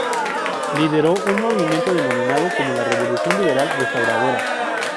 Lideró un movimiento denominado como la "Revolución Liberal Restauradora".